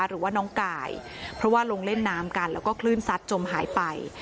หรือว่าน้องกายเพราะว่าลงเล่นน้ำกันแล้วก็คลื่นซัดจมหายไป